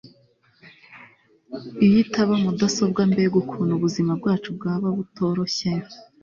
iyo itaba mudasobwa, mbega ukuntu ubuzima bwacu bwaba butoroshye